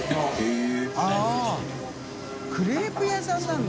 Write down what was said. ◆舛クレープ屋さんなんだ。